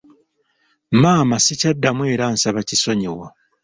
Maama sikyaddamu era nsaba kisonyiwo.